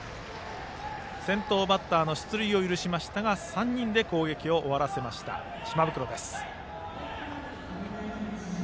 先頭バッターの出塁を許しましたが３人で攻撃を終わらせました島袋です。